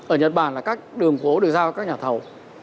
ở nhật bản là các đường phố được giao cho các nhà thầu